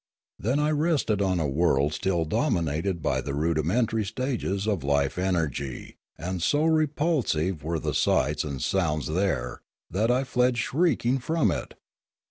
Then I rested on a world still dominated by the rudimentary stages of life energy, and so repulsive were the sights and sounds there that I fled shrieking from it.